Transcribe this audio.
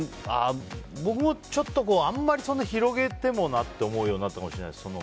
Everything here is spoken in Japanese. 僕も、あんまり広げてもなって思うようになったかもしれないです。